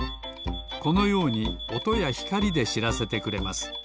このようにおとやひかりでしらせてくれます。